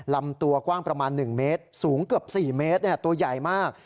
ลำตัวกว้างประมาณ๑เมตรสูงเกือบ๔เมตรตัวใหญ่มาก